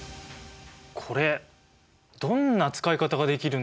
これどんな使い方ができるんだろう？